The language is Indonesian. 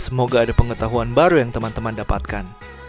semoga ada pengetahuan baru yang teman teman dapatkan